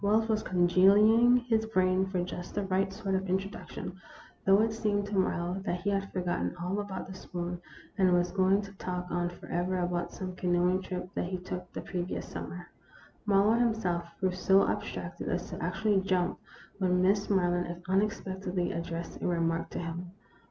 Wells was cudgelling his brains for just the right sort of introduction, though it seemed to Marlowe that he had forgotten all about the spoon, and was going to talk on forever about some canoeing trip that he took the previous summer. Marlowe him self grew so abstracted as to actually jump when Miss Maryland unexpectedly addressed a remark to him.